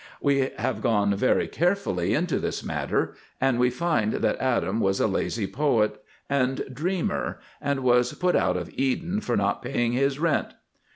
We have gone very carefully into this matter, and we find that Adam was a lazy poet and dreamer and was put out of Eden for not paying his rent.